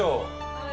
はい？